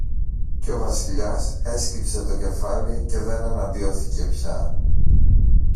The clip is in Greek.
Και ο Βασιλιάς έσκυψε το κεφάλι και δεν εναντιώθηκε πια.